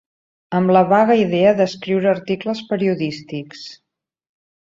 Amb la vaga idea d'escriure articles periodístics